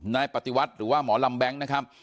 นายปฏิวัติหรือว่าหมอลำแบงค์นะครับ